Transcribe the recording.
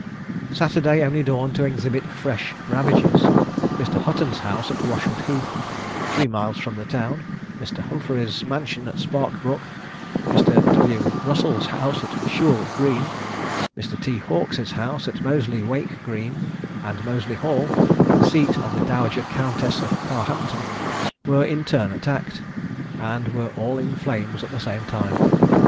Saturday only dawned to exhibit fresh ravages; Mr. Hutton's house at Washwood Heath, three miles from the town, Mr. Humphery's mansion at Spark Brook, Mr. W. Russell's house at Shewell Green, Mr. T. Hawkes's house at Moseley Wake Green, and Moseley Hall, the seat of the Dowager Countess of Carhampton, were in turn attacked, and were all in flames at the same time.